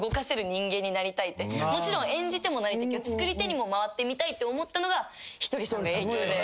もちろん演じ手にもなりたいけど作り手にも回ってみたいって思ったのがひとりさんの影響で。